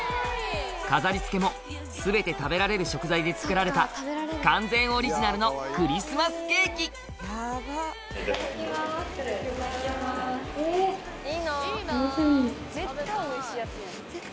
⁉飾り付けも全て食べられる食材で作られた完全オリジナルのクリスマスケーキ食べたい！